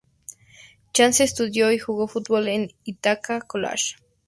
Chance estudió y jugó al fútbol en Ithaca College.